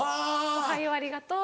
「おはようありがとう」